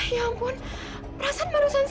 ya ampun perasaan manusia saja